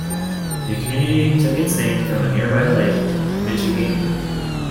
The community took its name from nearby Lake Michigamme.